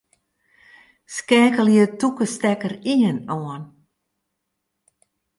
Skeakelje tûke stekker ien oan.